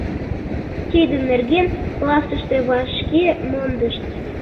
Тидын нерген классыште вашке мондышт.